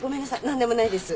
何でもないです。